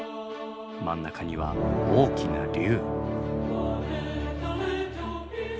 真ん中には大きな龍。